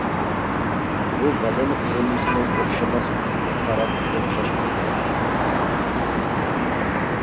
بۇ بەدەن قۇرۇلمىسىنىڭ ئوخشىماسلىقىغا قاراپ ئوخشاش بولمايدۇ.